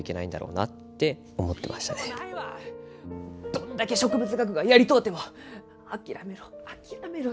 どんだけ植物学がやりとうても「諦めろ諦めろ」